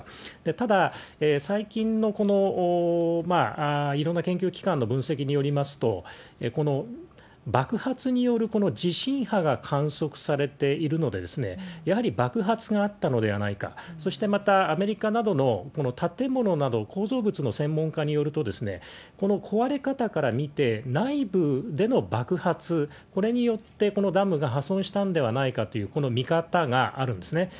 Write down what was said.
ただ、最近のいろんな研究機関の分析によりますと、この爆発による地震波が観測されているので、やはり爆発があったのではないか、そしてまた、アメリカなどの建物など、構造物の専門家によると、この壊れ方から見て、内部での爆発、これによって、このダムが破損したのではないかという、この見方があるんですね。